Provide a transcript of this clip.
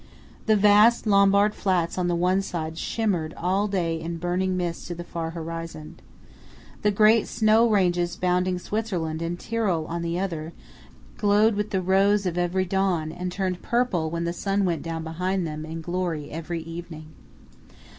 The vast Lombard flats on the one side simmered all day in burning mists to the farthest horizon. The great snow ranges bounding Switzerland and Tyrol on the other, glowed with the rose of every dawn, and turned purple when the sun went down behind them in glory every evening.